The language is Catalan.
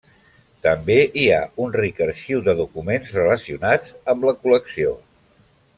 També hi ha un ric arxiu de documents relacionats amb la col·lecció.